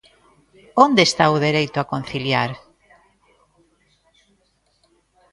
¿Onde está o dereito a conciliar?